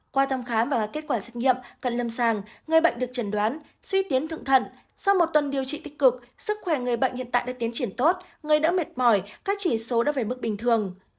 qua thăm khám và kết quả xét nghiệm cận lâm sàng người bệnh được trần đoán suy tiến thượng thận sau một tuần điều trị tích cực sức khỏe người bệnh hiện tại đã tiến triển tốt người đã mệt mỏi các chỉ số đã về mức bình thường